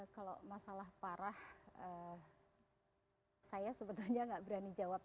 kalau masalah parah saya sebetulnya nggak berani jawab